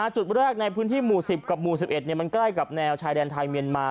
จุดแรกในพื้นที่หมู่๑๐กับหมู่๑๑มันใกล้กับแนวชายแดนไทยเมียนมา